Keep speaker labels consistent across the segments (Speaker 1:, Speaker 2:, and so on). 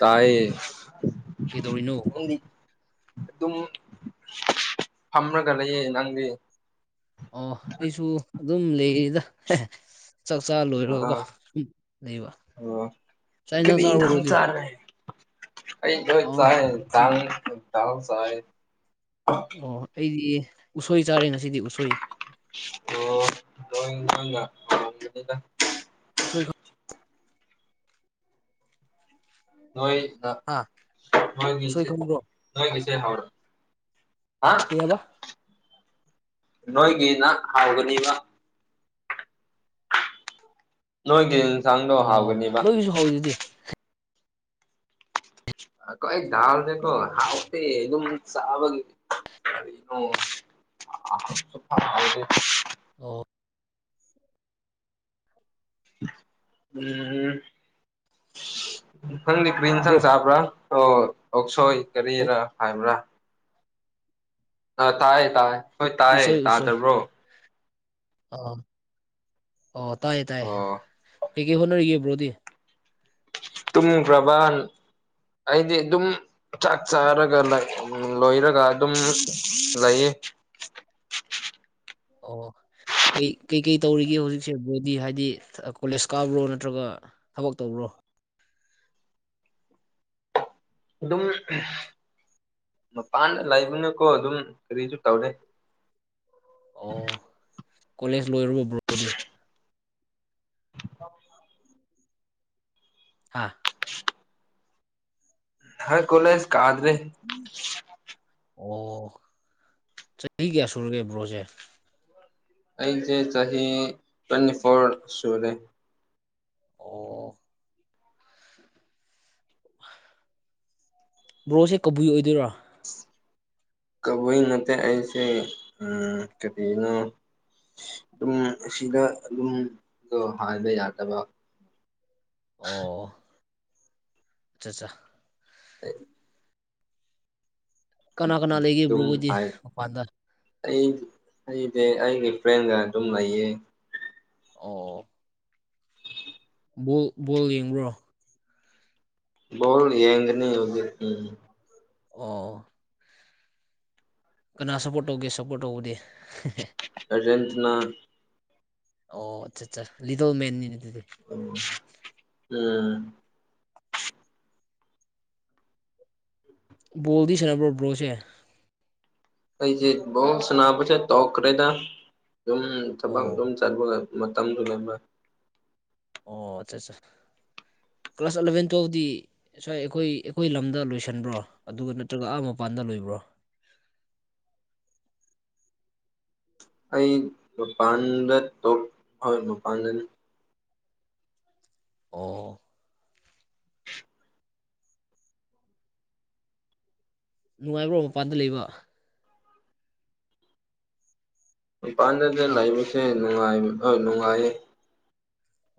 Speaker 1: ꯇꯌꯦ꯫
Speaker 2: ꯀꯩꯗꯧꯔꯤꯅꯣ
Speaker 1: ꯑꯗꯨꯝ ꯐꯝꯔꯒ ꯂꯩꯌꯦ ꯅꯪꯗꯤ꯫
Speaker 2: ꯑꯣ ꯑꯩꯁꯨ ꯑꯗꯨꯝ ꯂꯩꯔꯤꯗ꯫ ꯑꯦ ꯆꯥꯛ ꯆꯥ
Speaker 1: ꯑ
Speaker 2: ꯂꯣꯏꯔꯒꯀꯣ ꯁꯨꯝ ꯂꯩꯕ꯫ ꯆꯥꯛ
Speaker 1: ꯀꯕꯤ
Speaker 2: ꯏꯟꯖꯥꯡ ꯆꯥꯔꯕꯣ
Speaker 1: ꯏꯅꯥꯥꯡ
Speaker 2: ꯕ꯭ꯔꯣꯗꯤ
Speaker 1: ꯆꯔꯦ꯫
Speaker 2: ꯑꯣ ꯁꯤ
Speaker 1: [unintelligible]
Speaker 2: ꯑꯣ ꯑꯩꯗꯤ ꯎꯁꯣꯏ ꯆꯥꯔꯦ ꯉꯁꯤꯗꯤ ꯎꯁꯣꯏ
Speaker 1: [unintelligible]
Speaker 2: ꯎꯁꯣꯏ
Speaker 1: ꯅꯣꯏ
Speaker 2: ꯍꯥ ꯎꯁꯣꯏ
Speaker 1: ꯅꯣꯏꯣꯏꯁꯦ
Speaker 2: ꯈꯪꯕ꯭ꯔꯣ
Speaker 1: ꯅꯣꯏꯒꯤꯁꯦ ꯍꯥꯎ
Speaker 2: ꯀꯩꯌꯦꯕ
Speaker 1: ꯅꯣꯏꯒꯤꯅ ꯍꯥꯏꯕꯅꯤꯕ꯫ ꯅꯣꯏꯒꯤꯥ ꯌꯦꯟꯁꯅꯪ
Speaker 2: ꯑꯣ ꯅꯣꯏꯒꯤꯁꯨ ꯍꯧꯋꯤ ꯑꯗꯨꯗꯤ
Speaker 1: ꯀꯣꯏ ꯑꯩ ꯗꯥꯗꯦꯀꯣ ꯍꯥꯎꯇꯦ ꯑꯗꯨꯝ ꯆꯥꯕꯒꯤ [unintelligible]
Speaker 2: ꯑꯣ
Speaker 1: ꯎꯝ ꯈꯪꯅꯤ ꯀ ꯏꯟꯁꯥꯡ
Speaker 2: ꯕ꯭ꯔꯣ
Speaker 1: ꯆꯥꯕ꯭ꯔꯥ? ꯑꯣ ꯑꯣꯁꯣꯏ ꯀꯔꯤꯔꯥ ꯍꯥꯏꯕ꯭ꯔꯥ? ꯑ ꯇꯥꯏꯌꯦ ꯇꯥꯏ ꯍꯣꯏ
Speaker 2: ꯎꯁꯣꯏ
Speaker 1: ꯇꯥꯏꯌꯦ
Speaker 2: ꯎꯁꯣꯏ
Speaker 1: ꯇꯥꯗꯕ꯭ꯔꯣ?
Speaker 2: ꯑꯥ ꯑꯣ ꯇꯥꯏꯌꯦ ꯇꯥꯏꯌꯦ
Speaker 1: ꯑꯣ
Speaker 2: ꯀꯩꯀꯩ ꯍꯣꯠꯅꯔꯤꯒꯤ ꯔꯣꯗꯤ
Speaker 1: ꯇꯨꯝ ꯄ꯭ꯔꯕꯥꯟ ꯑꯩꯗꯤ ꯑꯗꯨꯝ ꯆꯥꯛ ꯆꯥꯔꯒ ꯂꯣꯏꯔꯒ ꯑꯗꯨꯝ ꯂꯩꯌꯦ꯫
Speaker 2: ꯑꯣ ꯀꯩ ꯀꯩꯀꯩ ꯇꯧꯔꯤꯒꯦ ꯍꯧꯖꯤꯛꯁꯦ ꯕꯣꯗꯤ ꯍꯥꯏꯗꯤ ꯀꯣꯂꯦꯁ ꯀꯥꯕ꯭ꯔꯣ ꯅꯠꯇ꯭ꯔꯒ ꯊꯕꯛ ꯇꯧꯕ꯭ꯔꯣ?
Speaker 1: ꯑꯗꯨꯝ ꯃꯄꯥꯟꯗ ꯂꯩꯕꯅꯀꯣ ꯑꯗꯨꯝ ꯀꯔꯤꯁꯨ ꯇꯧꯗꯦ꯫
Speaker 2: ꯑꯣ ꯀꯣꯂꯦꯖ ꯂꯣꯏꯔꯔꯕ ꯕ꯭ꯔꯣ?
Speaker 1: [inaudible]
Speaker 2: ꯍꯥꯥ꯫
Speaker 1: ꯍ ꯀꯣꯂꯦꯁ ꯀꯥꯗ꯭ꯔꯦ꯫
Speaker 2: ꯑꯣ ꯆꯍꯤ ꯀꯌꯥ ꯁꯨꯔꯒꯦ ꯕ꯭ꯔꯣꯁꯦ꯫
Speaker 1: ꯑꯩꯁꯦ ꯆꯍꯤ ꯇ꯭ꯋꯦꯟꯇꯤ ꯐꯣꯔ ꯁꯨꯔꯦ꯫
Speaker 2: ꯑꯣ꯫ ꯕ꯭ꯔꯣꯁꯦ ꯀꯕꯨꯏ ꯑꯣꯏꯗꯣꯏꯔꯣ꯫
Speaker 1: ꯀꯕꯨꯏ ꯅꯠꯇꯦ ꯑꯩꯁꯦ ꯎꯝ ꯀꯔꯤꯅꯣ ꯑꯗꯨꯝ ꯁꯤꯗ ꯑꯗꯨꯝ ꯗꯣ ꯍꯥꯏꯕ ꯌꯥꯗꯕ꯫
Speaker 2: ꯑꯣ ꯑꯆꯥ ꯆꯥ
Speaker 1: ꯑꯩ
Speaker 2: ꯀꯅꯥ ꯀꯅꯥ
Speaker 1: ꯑꯗꯨꯝ
Speaker 2: ꯂꯩꯒꯦꯕ꯭ꯔꯣꯣꯏꯗꯤ
Speaker 1: ꯍꯥꯏ
Speaker 2: ꯃꯄꯥꯟꯗ
Speaker 1: ꯑꯩ ꯑꯩꯗꯤ ꯑꯩꯒꯤ ꯐ꯭ꯔꯦꯟꯒ ꯑꯗꯨꯝ ꯂꯩꯌꯦ꯫
Speaker 2: ꯑꯣ ꯕꯣꯜ ꯕꯣꯜ ꯌꯦꯡꯕ꯭ꯔꯣ?
Speaker 1: ꯕꯤꯜ ꯌꯦꯒꯅꯤ ꯍꯧꯒ ꯎꯝ
Speaker 2: ꯑꯣ ꯀꯅꯥ ꯁꯄꯣꯔꯠ ꯇꯧꯒꯦ ꯁꯞꯄꯣꯔꯠ ꯇꯧꯕꯗꯦ꯫
Speaker 1: ꯑꯔꯖꯦꯟꯇꯅ
Speaker 2: ꯑꯣ ꯑꯆꯥ ꯑꯆꯥ ꯂꯤꯗꯧ ꯃꯦꯟꯅꯤꯅꯤ ꯫
Speaker 1: ꯑꯣ ꯎꯝ
Speaker 2: ꯕꯣꯜꯗꯤ ꯁꯥꯟꯅꯕ꯭ꯔꯣ ꯕ꯭ꯔꯣꯁꯦ
Speaker 1: ꯑꯩꯁꯦ ꯕꯣꯜ ꯁꯅꯕꯁꯦ ꯇꯧꯈ꯭ꯔꯦꯗ ꯑꯗꯨꯝ ꯊꯕꯛ ꯗꯨꯝ
Speaker 2: ꯑꯣ
Speaker 1: ꯆꯠꯄꯒ ꯃꯇꯝꯗꯨ
Speaker 2: ꯑꯣ ꯑꯠꯆꯥ ꯆꯥ ꯀ꯭ꯂꯥꯁ ꯑꯦꯂꯚꯦꯟ ꯇꯨꯋꯦꯜꯕꯗꯤ ꯁ꯭ꯋꯥꯏ ꯑꯩꯈꯣꯏ ꯑꯩꯈꯣꯏ ꯂꯝꯗ ꯂꯣꯏꯁꯤꯟꯕ꯭ꯔꯣ ꯑꯗꯨꯒ ꯅꯠꯇ꯭ꯔꯒ ꯑꯥ ꯃꯄꯥꯟꯗ ꯂꯣꯏꯕ꯭ꯔꯣ
Speaker 1: ꯑꯩ ꯃꯄꯥꯟꯗ ꯇꯧ ꯍꯣꯏ ꯃꯄꯥꯟꯗꯅꯦ
Speaker 2: ꯑꯣ ꯅꯨꯡꯉꯥꯏꯕ꯭ꯔꯣ ꯃꯄꯥꯟꯗ ꯂꯩꯕ꯫
Speaker 1: ꯃꯄꯥꯟꯗꯗ
Speaker 2: ꯑꯥ
Speaker 1: ꯂꯩꯁꯦ ꯅꯨꯡꯉꯥꯏꯕ ꯍꯣꯏ ꯅꯨꯡꯉꯥꯏꯌꯦ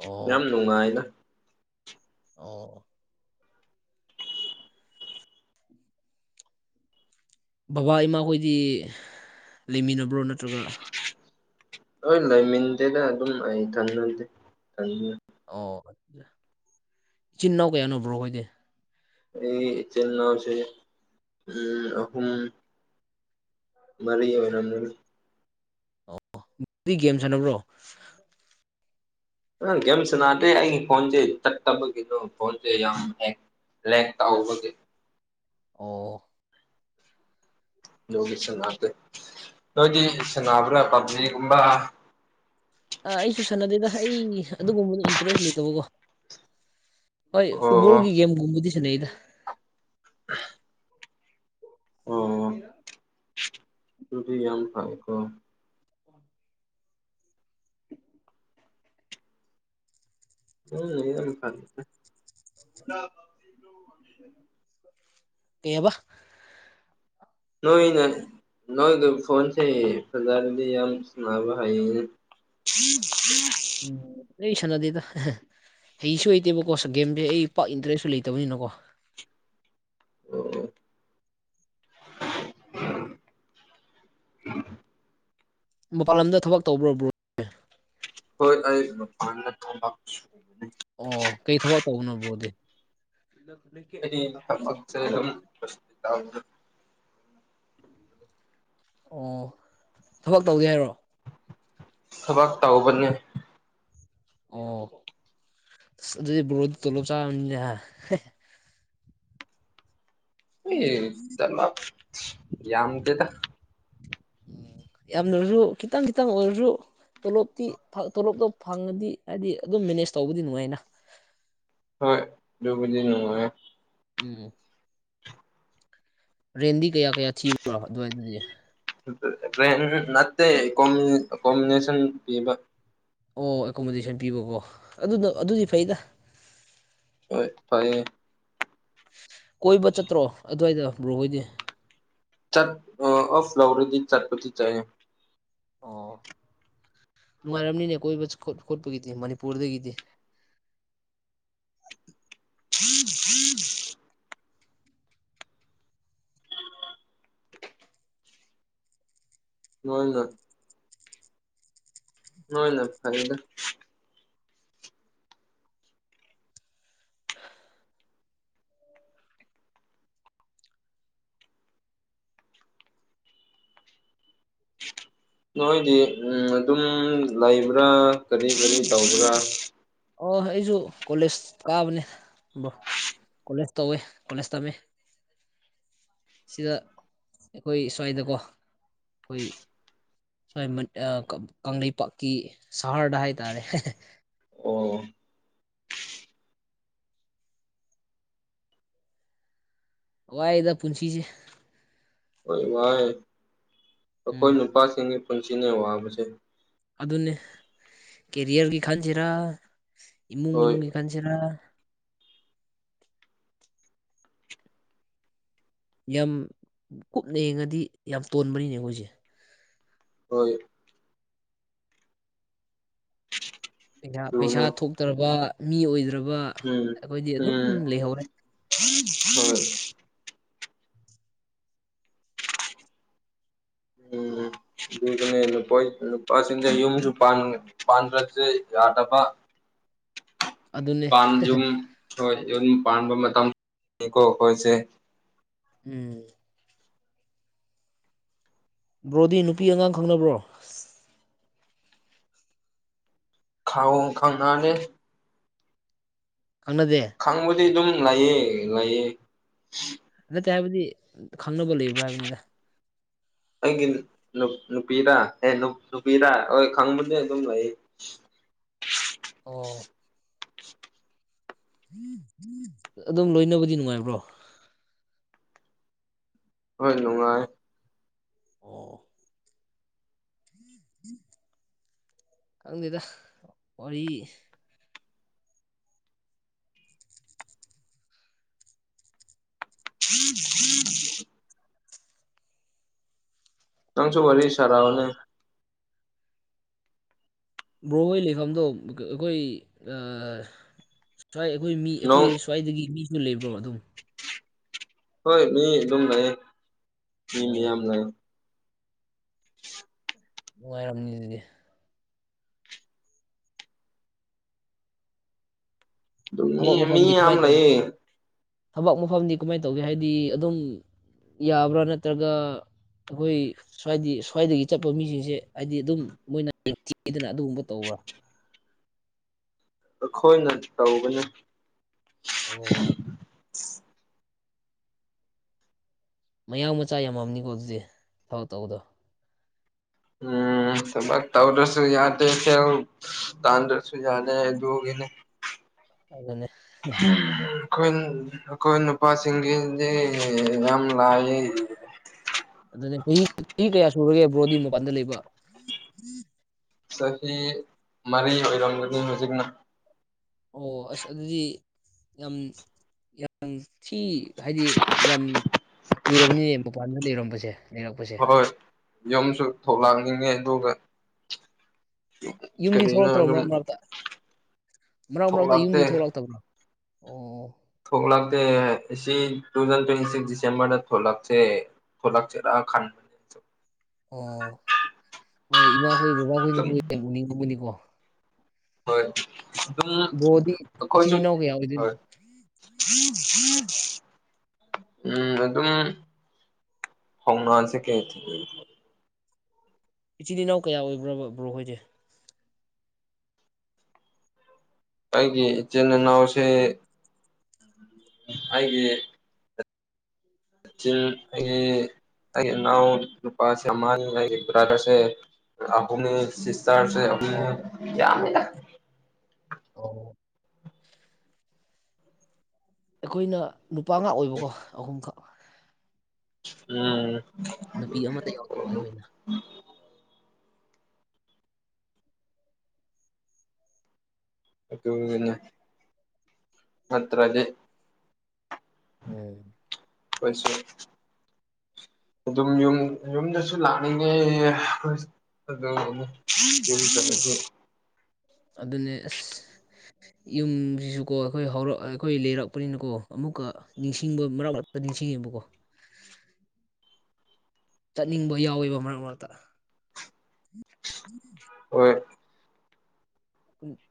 Speaker 2: ꯑꯣ
Speaker 1: ꯌꯥꯝ ꯅꯨꯡꯉꯥꯏꯗꯥ
Speaker 2: ꯑꯣ꯫ ꯕꯕꯥ ꯏꯃꯥꯈꯣꯏꯗꯤ ꯂꯩꯃꯤꯟꯅꯕ꯭ꯔꯣ ꯅꯠꯇ꯭ꯔꯒ
Speaker 1: ꯍꯣꯏ ꯂꯩꯃꯤꯟꯗꯦꯗ ꯑꯗꯨꯝ ꯑꯩ ꯊꯟꯅꯗꯥ [unintelligible]
Speaker 2: ꯑꯣ ꯏꯆꯤꯟ ꯏꯅꯥꯎ ꯀꯌꯥꯅꯣ ꯕ꯭ꯔꯣ ꯍꯣꯏꯗꯤ
Speaker 1: ꯑꯩ ꯏꯆꯤꯟ ꯏꯅꯥꯎꯁꯦ ꯎꯝ ꯑꯍꯨꯝ ꯃꯥꯔꯤ ꯑꯣꯏꯔꯝꯒꯅꯤ
Speaker 2: ꯑꯣ [unintelligible] ꯗꯤ ꯒꯦꯝ ꯁꯥꯟꯅꯕ꯭ꯔꯣ
Speaker 1: ꯎꯝ ꯒꯦꯝ ꯁꯅꯥꯗꯦ ꯑꯩꯒꯤ ꯐꯣꯟꯁꯦ ꯆꯠꯇꯒꯤꯗꯣ ꯐꯣꯟꯁꯦ ꯌꯥꯝ ꯍꯦꯡ ꯂꯦꯛ ꯇꯧꯕꯒꯤ
Speaker 2: ꯑꯣ꯫
Speaker 1: ꯑꯗꯨꯒꯨꯝꯕ ꯁꯅꯥꯗꯦ ꯅꯣꯏꯗꯤ ꯁꯅꯥꯕ꯭ꯔꯥ ꯄꯕꯖꯤꯒꯨꯝꯕ꯫
Speaker 2: ꯑꯥ ꯑꯩꯁꯨ ꯁꯥꯟꯅꯗꯦꯗ ꯑꯩ ꯑꯗꯨꯒꯨꯝꯕꯗꯨ ꯏꯟꯇꯔꯦꯁ ꯂꯩꯇꯕꯀꯣ ꯍꯣꯏ
Speaker 1: ꯑꯣ
Speaker 2: ꯐꯨꯠꯕꯣꯜꯒꯤ ꯒꯦꯝꯒꯨꯝꯕꯗꯤ ꯁꯥꯟꯅꯩꯗ
Speaker 1: [unintelligible]
Speaker 2: [inaudible]
Speaker 1: ꯇꯨꯗꯤ ꯌꯥꯝ ꯐꯪꯏꯀꯣ [unintelligible]
Speaker 2: ꯀꯩꯑꯕꯥ
Speaker 1: ꯅꯣꯏꯅ ꯅꯣꯏꯒꯤ ꯐꯣꯟꯁꯦ ꯐꯖꯔꯗꯤ ꯌꯥꯝ ꯁꯥꯟꯅꯕ ꯍꯩꯅꯦ [unintelligible]
Speaker 2: ꯎꯝ ꯑꯩ ꯁꯅꯥꯗꯦꯗ ꯍꯩꯁꯨ ꯍꯩꯇꯦꯕꯀꯣ ꯒꯦꯝꯁꯦ ꯑꯩ ꯄꯥꯛ ꯏꯟꯇꯔꯦꯁꯁꯨ ꯂꯩꯇꯕꯅꯤꯅꯀꯣ
Speaker 1: ꯑꯣ
Speaker 2: ꯃꯄꯜ ꯂꯝꯗꯥ ꯊꯕꯛ ꯇꯧꯕ꯭ꯔꯣ ꯕ꯭ꯔꯣ
Speaker 1: ꯍꯣꯏ ꯑꯩ ꯐ ꯐ ꯂ [unintelligible]
Speaker 2: ꯑꯣ ꯀꯩ ꯊꯕꯛ ꯇꯧꯕꯅꯕ꯭ꯔꯣꯗꯤ
Speaker 1: ꯑꯩ ꯊꯕꯛꯁꯦ ꯑꯗꯨꯝ [unintelligible]
Speaker 2: ꯑꯣ ꯊꯕꯛ ꯇꯧꯒꯦ ꯍꯥꯏꯔꯣ
Speaker 1: ꯊꯕꯛ ꯇꯧꯕꯅꯦ
Speaker 2: ꯑꯣ ꯑꯁ ꯑꯗꯨꯗꯤ ꯕꯣꯗꯤ ꯇꯣꯂꯣꯞ ꯆꯥꯔꯕꯅꯤꯅꯦ
Speaker 1: ꯑꯦ ꯇꯦꯜ ꯂꯥꯛꯁ ꯌꯥꯝꯗꯦꯗ
Speaker 2: ꯌꯥꯝꯅꯁꯨ ꯈꯤꯇꯪ ꯈꯤꯇꯪ ꯑꯣꯏꯔꯁꯨ ꯇꯣꯂꯣꯞꯇꯤ ꯐꯪ ꯇꯣꯂꯣꯞꯇꯣ ꯐꯪꯉꯗꯤ ꯍꯥꯏꯗꯤ ꯑꯗꯨꯝ ꯃꯦꯅꯦꯖ ꯇꯧꯕꯗꯤ ꯅꯨꯡꯉꯥꯏꯅꯥ
Speaker 1: ꯍꯣꯏ ꯑꯗꯨꯕꯨꯗꯤ ꯅꯨꯡꯉꯥꯏꯌꯦ
Speaker 2: ꯎꯝ꯫ ꯔꯦꯟꯗꯤ ꯀꯌꯥ ꯀꯌꯥ ꯊꯤꯕ꯭ꯔꯣ ꯑꯗꯨꯋꯥꯏꯗꯨꯗꯤ
Speaker 1: ꯔꯦꯟ ꯅꯠꯇꯦ ꯀꯣꯝꯃꯤꯟ ꯀꯣꯝꯅꯦꯁꯟ ꯄꯤꯕ꯫
Speaker 2: ꯑꯣ ꯑꯦꯀꯣꯃꯣꯗꯦꯁꯟ ꯄꯤꯕꯀꯣ ꯑꯗꯨꯗꯣ ꯑꯗꯨꯗꯤ ꯐꯩꯗꯥ
Speaker 1: ꯍꯣꯏ ꯐꯩꯌꯦ꯫
Speaker 2: ꯀꯣꯏꯕ ꯆꯠꯇ꯭ꯔꯣ ꯑꯗꯨꯋꯥꯏꯗꯣ ꯕ꯭ꯔꯨꯍꯣꯏꯗꯤ꯫
Speaker 1: ꯆꯠ ꯑꯣꯐ ꯂꯧꯔꯗꯤ ꯆꯠꯄꯇꯤ ꯆꯥꯏ
Speaker 2: ꯑꯣ ꯅꯨꯡꯉꯥꯏꯔꯝꯅꯤꯅꯦ ꯀꯣꯏꯕ ꯈꯣꯠꯄꯒꯤꯗꯤ ꯃꯅꯤꯄꯨꯔꯗꯒꯤꯗꯤ
Speaker 1: ꯅꯣꯏꯅ ꯍꯣꯏꯅ ꯐꯥꯔꯦꯗ ꯅꯣꯏꯗꯤ ꯎꯝ ꯑꯗꯨꯝ ꯂꯩꯕ꯭ꯔꯥ ꯀꯔꯤ ꯀꯔꯤ ꯇꯧꯕ꯭ꯔꯥ
Speaker 2: ꯑꯣꯅ ꯑꯩꯁꯨ ꯀꯣꯂꯦꯖ ꯀꯥꯕꯅꯦ ꯕ꯭ꯔꯣ ꯀꯣꯂꯦꯖ ꯇꯧꯋꯦ ꯀꯣꯂꯦꯖ ꯇꯝꯃꯦ ꯁꯤꯗ ꯑꯩꯈꯣꯏ ꯁ꯭ꯋꯥꯏꯗꯀꯣ ꯑꯩꯈꯣꯏ ꯁ꯭ꯋꯥꯏ ꯃꯟ ꯑꯥ ꯀꯪꯂꯩꯄꯥꯛꯀꯤ ꯁꯍꯔꯗ ꯍꯥꯏꯇꯥꯔꯦ
Speaker 1: ꯑꯣ
Speaker 2: ꯋꯥꯔꯦꯗ ꯄꯨꯟꯁꯤꯁꯦ
Speaker 1: ꯍꯣꯏ ꯋꯥꯌꯦ ꯑꯩꯈꯣꯏ
Speaker 2: ꯎꯝ
Speaker 1: ꯅꯨꯄꯥꯁꯤꯡꯒꯤ ꯄꯨꯟꯁꯤꯅꯦ ꯋꯥꯕꯁꯦ
Speaker 2: ꯑꯗꯨꯅꯤ ꯀꯦꯔꯤꯌꯔꯒꯤ ꯈꯟꯁꯤꯔꯥ ꯏꯃꯨꯡ
Speaker 1: ꯍꯣꯏ
Speaker 2: ꯃꯅꯨꯡꯒꯤ ꯈꯟꯁꯤꯔꯥ ꯌꯥꯝ ꯀꯨꯞꯅ ꯌꯦꯡꯉꯗꯤ ꯌꯥꯝ ꯇꯣꯟꯕꯅꯤꯅꯦ ꯑꯩꯈꯣꯏꯁꯦ
Speaker 1: ꯍꯣꯏ
Speaker 2: ꯄꯩꯁ ꯄꯩꯁꯥ
Speaker 1: ꯑꯗꯨꯅꯦ
Speaker 2: ꯊꯣꯛꯇ꯭ꯔꯕ ꯃꯤ ꯑꯣꯏꯗ꯭ꯔꯕ
Speaker 1: ꯎꯝ
Speaker 2: ꯑꯩꯈꯣꯏꯗꯤ ꯑꯗꯨꯝ
Speaker 1: ꯎꯝ
Speaker 2: ꯂꯩꯍꯧꯔꯦ
Speaker 1: ꯍꯣꯏ ꯎꯝ [unintelligible] ꯄꯁꯤꯡꯗ ꯌꯨꯝꯁꯨ ꯄꯥꯟ ꯄꯥꯟꯈ꯭ꯔꯁꯦ ꯌꯥꯗꯕ
Speaker 2: ꯑꯗꯨꯅꯦ
Speaker 1: ꯄꯥꯥꯟ ꯌꯨꯝ ꯍꯣꯏ ꯌꯨꯝ ꯄꯥꯟꯕ ꯃꯇꯝꯅꯤꯀꯣ ꯑꯩꯈꯣꯏꯁꯦ
Speaker 2: ꯎꯝ ꯕ꯭ꯔꯣꯗꯤ ꯅꯨꯄꯤ ꯑꯉꯥꯡ ꯈꯪꯅꯕ꯭ꯔꯣ
Speaker 1: ꯈꯪ ꯈꯪꯅꯗꯦ
Speaker 2: ꯈꯪꯅꯗꯦ
Speaker 1: ꯈꯪꯕꯗꯤ ꯑꯗꯨꯝ ꯂꯩꯌꯦ ꯂꯩꯌꯦ
Speaker 2: ꯅꯠꯇꯦ ꯍꯥꯏꯕꯗꯤ ꯈꯪꯅꯕ ꯂꯩꯕ꯭ꯔꯥ ꯍꯥꯏꯕꯅꯤꯗ
Speaker 1: ꯑꯩꯒꯤ ꯅꯨꯄꯤꯔꯥ ꯑꯦ ꯅꯨꯄꯤꯔꯥ ꯍꯣꯏ ꯈꯪꯕꯅꯦ ꯑꯗꯨꯝ ꯂꯩ
Speaker 2: ꯑꯣ ꯑꯗꯨꯝ ꯂꯣꯏꯅꯕꯗꯤ ꯅꯨꯡꯉꯥꯏꯕ꯭ꯔꯣ
Speaker 1: ꯍꯣꯏ ꯅꯨꯡꯉꯥꯏ
Speaker 2: ꯑꯣ ꯈꯪꯗꯦꯗ ꯋꯥꯔꯤ
Speaker 1: [inaudible] ꯅꯪꯁꯨ ꯋꯥꯔꯤ
Speaker 2: ꯑꯥ
Speaker 1: ꯁꯅꯧꯅꯦ
Speaker 2: ꯕ꯭ꯔꯣꯍꯣꯏ ꯂꯩꯐꯝꯗꯣ ꯑꯩꯈꯣꯏ ꯁ꯭ꯋꯥꯏ ꯑꯩꯈꯣꯏ ꯃꯤ ꯑꯩꯈꯣꯏ
Speaker 1: ꯅꯣꯡ
Speaker 2: ꯁ꯭ꯋꯥꯏꯗꯒꯤ ꯃꯤꯁꯨ ꯂꯩꯕ꯭ꯔꯣ ꯑꯗꯨꯝ
Speaker 1: ꯍꯣꯏ ꯃꯩꯌꯦ ꯑꯗꯨꯝ ꯂꯩꯥꯌꯦ ꯃꯤꯌꯥꯝ
Speaker 2: ꯑꯣ
Speaker 1: ꯂꯩꯥ
Speaker 2: ꯅꯨꯡꯉꯥꯏꯔꯝꯅꯤ ꯑꯗꯨꯗꯤ
Speaker 1: ꯑꯗꯨꯝ ꯃꯤ
Speaker 2: ꯊꯕꯛ
Speaker 1: ꯃꯤ
Speaker 2: ꯃꯐꯝꯗꯤ
Speaker 1: ꯌꯥꯝ
Speaker 2: ꯀꯃꯥꯏ ꯇꯧ
Speaker 1: ꯂꯩꯌꯦ
Speaker 2: ꯊꯕꯛ ꯃꯐꯝꯗꯤ ꯀꯃꯥꯏ ꯇꯧꯒꯦ ꯍꯥꯏꯗꯤ ꯑꯗꯨꯝ ꯌꯥꯕ꯭ꯔꯣ ꯅꯠꯇ꯭ꯔꯒ ꯑꯩꯈꯣꯏ ꯁ꯭ꯋꯥꯏꯗꯤ ꯁ꯭ꯋꯥꯏꯗꯒꯤ ꯆꯠꯄ ꯃꯤꯁꯤꯡꯁꯦ ꯍꯥꯏꯗꯤ ꯑꯗꯨꯝ ꯃꯣꯏꯅ ꯊꯤꯗꯅ ꯑꯗꯨꯒꯨꯝꯕ ꯇꯧꯕ꯭ꯔꯣ
Speaker 1: ꯑꯈꯣꯏꯅ ꯇꯧꯒꯅꯤ
Speaker 2: ꯑꯣ ꯃꯌꯥꯡ ꯃꯆꯥ ꯌꯥꯝꯃꯝꯅꯤꯀꯣ ꯑꯗꯨꯗꯤ ꯊꯕꯛ ꯇꯧꯕꯗꯣ
Speaker 1: ꯎꯝ ꯊꯕꯛ ꯇꯧꯗꯔꯁꯨ ꯌꯥꯗꯦꯀꯣ ꯇꯥꯟꯗꯔꯁꯨ ꯌꯥꯗꯦ ꯑꯗꯨꯒꯤꯅꯦ
Speaker 2: ꯑꯗꯨꯅꯦ
Speaker 1: ꯈꯨꯟ ꯑꯈꯣꯏ ꯅꯨꯄꯥꯁꯤꯡꯒꯤꯗꯤ ꯌꯥꯝ ꯂꯥꯏꯑꯦ [inaudible]
Speaker 2: ꯑꯗꯨꯅꯦ ꯆꯍꯤ ꯆꯍꯤ ꯀꯌꯥ ꯁꯨꯔꯒꯦ ꯕ꯭ꯔꯣꯗꯤ ꯃꯄꯥꯟꯗ ꯂꯩꯕ
Speaker 1: ꯆꯍꯤ ꯃꯔꯤ ꯑꯣꯏꯔꯝꯒꯅꯤ ꯍꯧꯖꯤꯛꯅ
Speaker 2: ꯑꯣ ꯑꯁ ꯑꯗꯨꯗꯤ ꯌꯥꯝ ꯌꯥꯝ ꯊꯤ ꯍꯥꯏꯗꯤ ꯌꯥꯝ ꯀꯨꯏꯔꯕꯅꯤ ꯃꯄꯥꯟꯗ ꯂꯩꯔꯝꯕꯁꯦ ꯂꯩꯔꯛꯄꯁꯦ
Speaker 1: ꯍꯣꯏ ꯌꯨꯝꯁꯨ
Speaker 2: ꯎꯝ
Speaker 1: ꯊꯣꯛꯂꯛꯅꯤꯡꯉꯦ ꯑꯗꯨꯒ
Speaker 2: ꯌꯨꯝꯗꯤ
Speaker 1: ꯀꯔꯤꯅꯣ
Speaker 2: ꯊꯣꯛꯂꯛꯇ꯭ꯔꯕ
Speaker 1: ꯑꯗꯨꯝ
Speaker 2: ꯃꯔꯛ ꯃꯔꯛꯇ ꯃꯔꯛ ꯃꯔꯛꯇ
Speaker 1: ꯊꯣꯛꯂꯛꯇꯦ
Speaker 2: ꯌꯨꯝꯗꯤ ꯊꯣꯛꯂꯛꯇꯕ꯭ꯔꯥ ꯑꯣ
Speaker 1: ꯊꯣꯛꯂꯛꯇꯦ ꯑꯁꯤ ꯇꯨ ꯊꯥꯎꯖꯟ ꯇ꯭ꯋꯦꯟꯇꯤ ꯁꯤꯛꯁ ꯗꯤꯁꯦꯝꯕꯔꯗ ꯊꯣꯛꯂꯛꯁꯦ ꯊꯣꯂꯛꯆꯔ ꯈꯥꯟ
Speaker 2: ꯑꯣ ꯍꯣꯏ ꯏꯃꯥꯈꯣꯏ
Speaker 1: ꯑꯗꯨꯝ
Speaker 2: ꯕꯕꯥꯍꯣꯏꯅꯁꯨ ꯎꯅꯤꯡꯗꯕꯅꯤꯀꯣ
Speaker 1: ꯍꯣꯏ
Speaker 2: ꯕ꯭ꯔꯣꯗꯤ ꯏꯆꯤꯟ
Speaker 1: ꯑꯗꯨꯝꯈꯣꯏꯁꯨ
Speaker 2: ꯏꯅꯥꯎ ꯀꯌꯥ ꯑꯣꯏꯗꯣꯏꯅꯣ
Speaker 1: ꯍꯣꯏ ꯎꯝ ꯍꯝ ꯎꯝ ꯑꯗꯨꯝ ꯍꯧꯉꯁꯦ ꯀꯩ ꯍꯥꯏ ꯊ
Speaker 2: ꯏꯆꯤꯜ ꯏꯅꯥꯎ ꯀꯌꯥ ꯑꯣꯏꯕ꯭ꯔꯕ꯭ꯔꯣ ꯑꯣꯏꯣꯏꯗꯤ
Speaker 1: ꯑꯩꯒꯤ ꯏꯆꯤꯟ ꯏꯅꯥꯎꯁꯦ ꯍꯥꯏꯦ ꯑꯩꯦ ꯑꯩ ꯅꯅꯥ ꯅꯨꯄꯥꯁꯤꯥꯡ ꯭ꯔꯥꯗꯁꯦꯍꯃꯤ ꯆꯔꯁꯨ
Speaker 2: ꯑꯣ
Speaker 1: ꯌꯥꯝꯃꯦ
Speaker 2: ꯑ ꯑꯩꯈꯣꯏꯅ ꯅꯨꯄꯥ ꯉꯥꯛ ꯑꯣꯏꯕꯀꯣ ꯑꯍꯨꯝꯈꯛ
Speaker 1: ꯎꯝ
Speaker 2: ꯅꯨꯄꯤ ꯑꯃꯠꯇ ꯌꯥꯎꯗꯕ ꯑꯩꯈꯣꯏꯅ
Speaker 1: ꯑꯠꯇꯂꯦ
Speaker 2: ꯎ
Speaker 1: ꯀꯣꯏꯁꯨ ꯑꯗꯨꯝ ꯌ ꯌꯨꯝꯗꯁꯨ ꯂꯥꯛꯅꯤꯡꯉꯦ ꯑꯗꯨꯦ
Speaker 2: ꯑꯗꯨꯅꯦ ꯑꯁ ꯌꯨꯝꯁꯤꯁꯨꯀꯣ ꯑꯩꯈꯣꯏ ꯍꯧꯔꯛ ꯑꯩꯈꯣꯏ ꯂꯩꯔꯛꯄꯅꯤꯅꯀꯣ ꯑꯃꯨꯛꯀ ꯅꯤꯡꯁꯤꯡꯕ ꯃꯔꯛ ꯃꯔꯛꯇ ꯅꯤꯡꯁꯤꯡꯉꯦꯕꯀꯣ ꯆꯠꯅꯤꯡꯕ ꯌꯥꯎꯋꯦꯕ ꯃꯔꯛ ꯃꯔꯛꯇ ꯑꯗꯨ
Speaker 1: ꯍꯣꯏ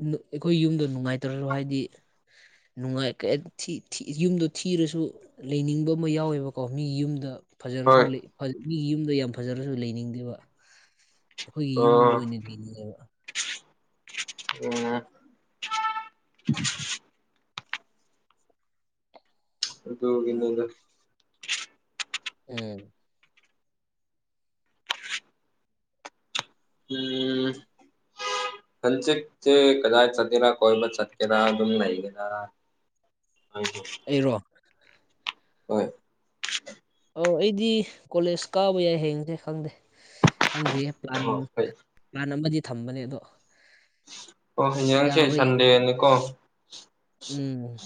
Speaker 2: ꯅꯨ ꯑꯩꯈꯣꯏ ꯌꯨꯝꯗꯣ ꯅꯨꯡꯉꯥꯏꯇ꯭ꯔꯁꯨ ꯍꯥꯏꯗꯤ ꯅꯨꯡꯉꯥꯏꯀꯦ ꯊꯤ ꯊꯤ ꯌꯨꯝꯗꯣ ꯊꯤꯔꯁꯨ ꯂꯩꯅꯤꯡꯕ ꯑꯃ ꯌꯥꯎꯋꯦꯕꯀꯣ ꯃꯤꯒꯤ ꯌꯨꯝꯗ ꯐꯖꯔꯁꯨ
Speaker 1: ꯍꯣꯏ
Speaker 2: ꯂꯩ ꯐꯖ ꯃꯤꯒꯤ ꯌꯨꯝꯗꯣ ꯌꯥꯝ ꯐꯖꯔꯁꯨ ꯂꯩꯅꯤꯡꯗꯦꯕ ꯑꯩꯈꯣꯏꯒꯤ
Speaker 1: ꯑꯣ
Speaker 2: ꯌꯨꯝꯗ ꯑꯣꯏꯅ ꯂꯩꯅꯤꯡꯉꯦꯕ
Speaker 1: ꯑꯣ [unintelligible] ꯗꯣꯒꯤꯅꯨꯗ
Speaker 2: ꯎꯝ
Speaker 1: ꯎꯝ ꯈꯦꯦ ꯀꯗꯥ ꯆꯊꯔ ꯀꯣꯏꯕ ꯆꯠꯀꯦꯔ ꯑꯗꯨꯝ ꯂꯩꯒꯗ ꯍꯥꯏꯣ
Speaker 2: ꯑꯦꯔꯣ
Speaker 1: ꯍꯣꯏ
Speaker 2: ꯑꯣ ꯑꯩꯗꯤ ꯀꯣꯂꯦꯖ ꯀꯥꯕ ꯌꯥꯏ ꯍꯌꯦꯁꯦ ꯈꯪꯗꯦ ꯈꯪꯗ꯭ꯔꯤꯌꯦ ꯄ꯭ꯂꯥꯟ
Speaker 1: ꯍꯣꯏ
Speaker 2: ꯂꯅ ꯑꯃꯗꯤ ꯊꯝꯕꯅꯦ ꯑꯗꯣ
Speaker 1: ꯑꯣ ꯍ ꯌꯦꯥꯡꯁꯦ
Speaker 2: ꯌꯥꯕ꯭ꯔꯥ ꯌꯦꯡ
Speaker 1: ꯁꯟꯗꯦꯅꯤꯀꯣ
Speaker 2: ꯎꯝ